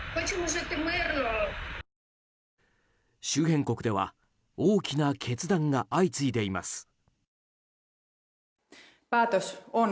周辺国では大きな決断が相次いでいます。